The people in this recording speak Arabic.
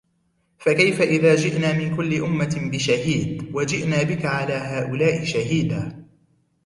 فكيف إذا جئنا من كل أمة بشهيد وجئنا بك على هؤلاء شهيدا